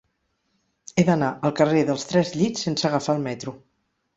He d'anar al carrer dels Tres Llits sense agafar el metro.